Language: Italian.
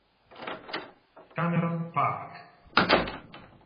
Cameron Park